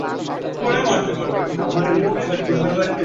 জনগণের অধিকার আদায় এবং জাতিগত ঐক্য তৈরিতে তিনি রাজনীতি করে গেছেন।